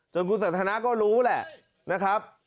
คุณสันทนาก็รู้แหละนะครับ